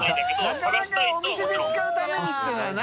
覆覆お店で使うためにっていうのはな。